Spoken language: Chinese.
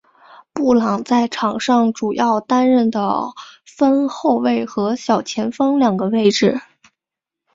布朗在场上主要担任得分后卫和小前锋两个位置。